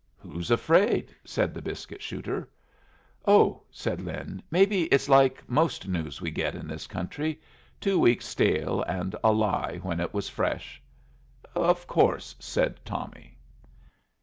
"Who's afraid?" said the biscuit shooter. "Oh," said Lin, "maybe it's like most news we get in this country. Two weeks stale and a lie when it was fresh." "Of course," said Tommy.